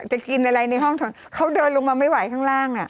จะกินอะไรในห้องเขาเดินลงมาไม่ไหวข้างล่างน่ะ